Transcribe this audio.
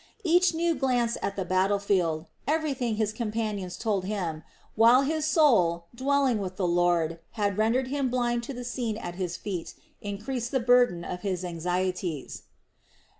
Each new glance at the battle field, everything his companions told him, while his soul, dwelling with the Lord, had rendered him blind to the scene at his feet, increased the burden of his anxieties.